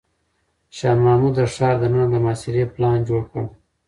شاه محمود د ښار دننه د محاصرې پلان جوړ کړ.